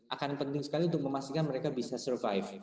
akan penting sekali untuk memastikan mereka bisa survive